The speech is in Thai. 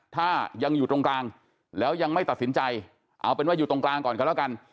ถ้ายังอยู่ตรงกลางแล้วยังไม่ตัดสินใจเอาเป็นว่าอยู่ตรงกลางก่อนกันแล้วกัน